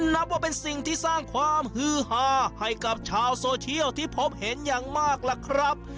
นับว่าเป็นสิ่งที่สร้างความฮือฮาให้กับชาวโซเชียลที่พบเห็นอย่างมากล่ะครับ